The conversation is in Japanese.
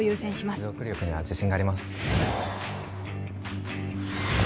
持続力には自信があります